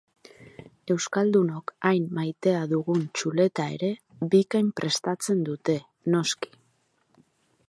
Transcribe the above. Euskaldunok hain maitea dugun txuleta ere bikain prestatzen dute, noski!